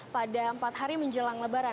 pada empat hari menjelang lebaran